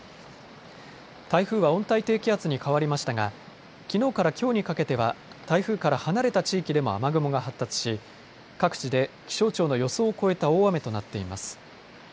台風は温帯低気圧に変わりましたが、きのうからきょうにかけては台風から離れた地域でも雨雲が発達し、各地で気象庁の予想を超えた大雨となっています。